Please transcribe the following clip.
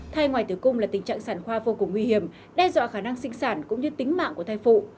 thai ngoài tử cung là tình trạng sản khoa vô cùng nguy hiểm đe dọa khả năng sinh sản cũng như tính mạng của thai phụ